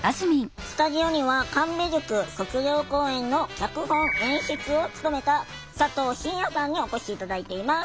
スタジオには神戸塾卒業公演の脚本・演出を務めた佐藤慎哉さんにお越し頂いています。